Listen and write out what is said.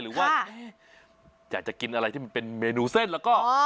หรือว่าอยากจะกินอะไรที่มันเป็นเมนูเส้นแล้วก็